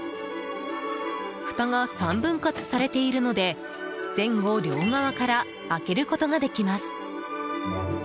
ふたが３分割されているので前後両側から開けることできます。